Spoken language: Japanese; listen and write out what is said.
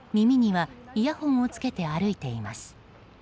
耳にはイヤホンをつけて歩いています。